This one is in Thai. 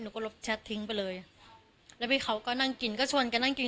ก็ลบแชททิ้งไปเลยแล้วพี่เขาก็นั่งกินก็ชวนกันนั่งกิน